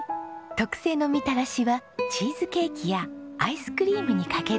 特製のみたらしはチーズケーキやアイスクリームにかけるんです。